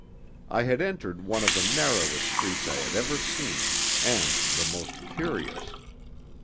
I had entered one of the narrowest streets I had ever seen, and the most curious.